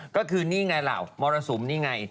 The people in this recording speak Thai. ก็คือนี่ไงเหล่ามรสุมนี่ไง